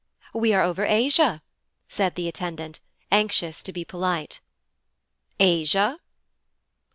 'We are over Asia,' said the attendant, anxious to be polite. 'Asia?'